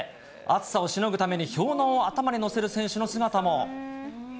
暑さをしのぐため、氷のうを頭に載せる選手の姿も。